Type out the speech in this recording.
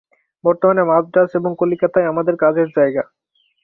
বর্তমানে মান্দ্রাজ ও কলিকাতাই আমাদের কাজের জায়গা।